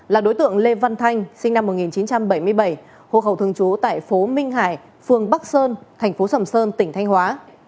là đối tượng lê văn thanh sinh năm một nghìn chín trăm bảy mươi bảy hộ khẩu thường trú tại phố minh hải phường bắc sơn thành phố sầm sơn tỉnh thanh hóa